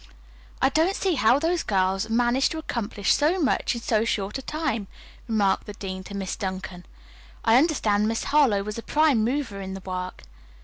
"I don't see how those girls managed to accomplish so much in so short a time," remarked the dean to Miss Duncan. "I understand Miss Harlowe was a prime mover in the work."